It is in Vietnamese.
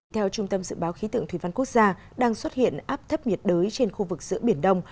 theo trung tâm dự báo khí tượng thủy văn quốc gia đang xuất hiện áp thấp nhiệt đới trên khu vực giữa biển đông